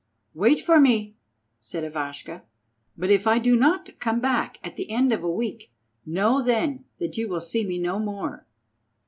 "Wait for me," said Ivashka; "but if I do not come back at the end of a week, know then that you will see me no more.